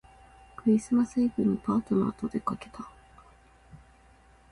クリスマスイブにパートナーとでかけた